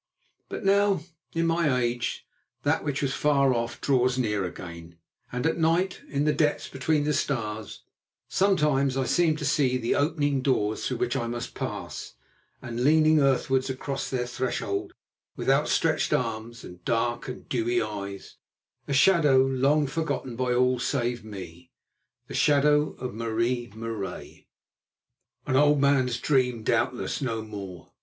But now, in my age, that which was far off draws near again; and at night, in the depths between the stars, sometimes I seem to see the opening doors through which I must pass, and leaning earthwards across their threshold, with outstretched arms and dark and dewy eyes, a shadow long forgotten by all save me—the shadow of Marie Marais. An old man's dream, doubtless, no more.